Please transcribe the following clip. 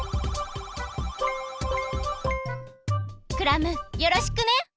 クラムよろしくね！